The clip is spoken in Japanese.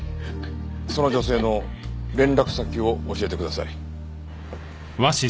その女性の連絡先を教えてください。